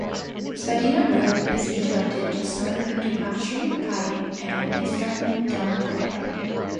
Spadina Road is interrupted just north of Dupont Street by an escarpment, Davenport Hill.